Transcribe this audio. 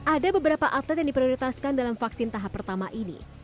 ada beberapa atlet yang diprioritaskan dalam vaksin tahap pertama ini